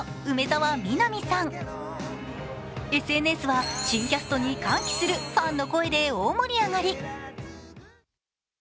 ＳＮＳは新キャストに歓喜するファンの声で大盛り上がり。